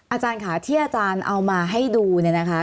อาจารย์ค่ะที่อาจารย์เอามาให้ดูเนี่ยนะคะ